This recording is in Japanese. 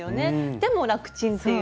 でも楽ちんっていう。